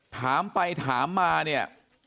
ถามไปถามมาเนี่ย